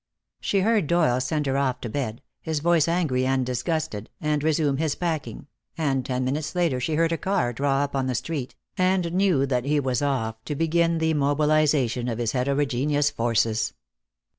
She heard Doyle send her off to bed, his voice angry and disgusted, and resume his packing, and ten minutes later she heard a car draw up on the street, and knew that he was off, to begin the mobilization of his heterogeneous forces.